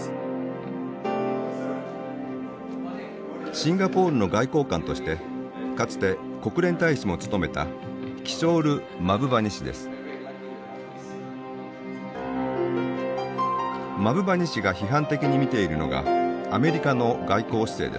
シンガポールの外交官としてかつて国連大使も務めたマブバニ氏が批判的に見ているのがアメリカの外交姿勢です。